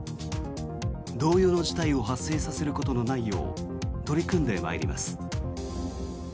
同様の事態を発生させることのないよう取り組んでまいります。